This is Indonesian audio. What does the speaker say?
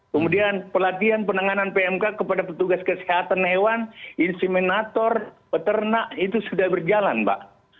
kemudian pelatihan penanganan pmk kepada petugas kesehatan hewan inseminator peternak itu sudah berjalan mbak